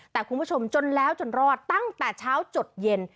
แต่คุณผู้ชมจนแล้วจนรอดตั้งแต่เช้าจดเย็น